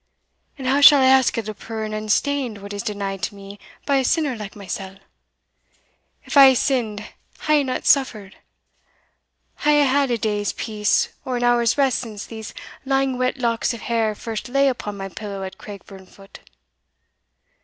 "And how shall I ask of the pure and unstained what is denied to me by a sinner like mysell? If I hae sinned, hae I not suffered? Hae I had a day's peace or an hour's rest since these lang wet locks of hair first lay upon my pillow at Craigburnfoot?